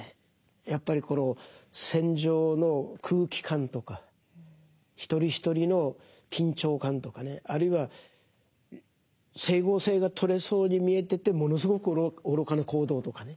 やっぱりこの戦場の空気感とか一人一人の緊張感とかねあるいは整合性が取れそうに見えててものすごく愚かな行動とかね。